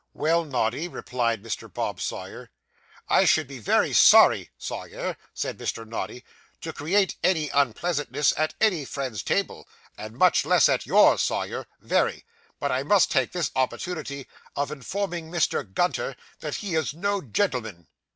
'Well, Noddy,' replied Mr. Bob Sawyer. 'I should be very sorry, Sawyer,' said Mr. Noddy, 'to create any unpleasantness at any friend's table, and much less at yours, Sawyer very; but I must take this opportunity of informing Mr. Gunter that he is no gentleman.